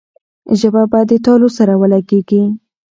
ژبه به د تالو سره ولګېږي.